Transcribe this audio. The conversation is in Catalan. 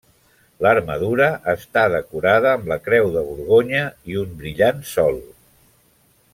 L'armadura està decorada amb la creu de Borgonya i un brillant sol.